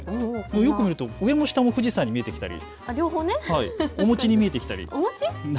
よく見ると下も上も富士山に見えてきたり、お餅に見えてきたり。